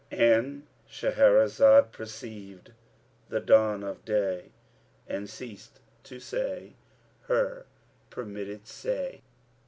"—And Shahrazad perceived the dawn of day and ceased to say her permitted say.